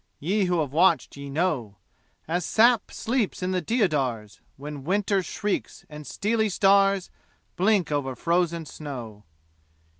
(Ye who have watched, ye know!) As sap sleeps in the deodars When winter shrieks and steely stars Blink over frozen snow.